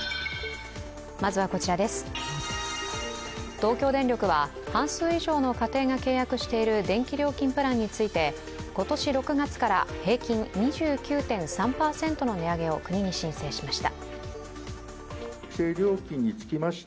東京電力は半数以上の家庭が契約している電気料金プランについて今年６月から平均２９．３％の値上げを国に申請しました。